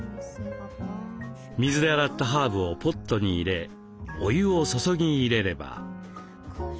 水で洗ったハーブをポットに入れお湯を注ぎ入れれば。